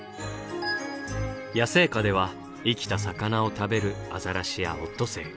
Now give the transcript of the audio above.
野生下では生きた魚を食べるアザラシやオットセイ。